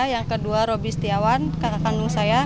yang kedua roby setiawan kakak kandung saya